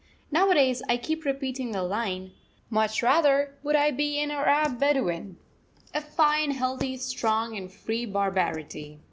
Nowadays I keep repeating the line: "Much rather would I be an Arab Bedouin!" A fine, healthy, strong, and free barbarity.